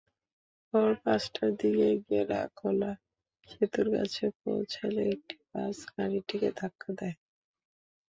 ভোর পাঁচটার দিকে গেড়াখোলা সেতুর কাছে পৌঁছালে একটি বাস গাড়িটিকে ধাক্কা দেয়।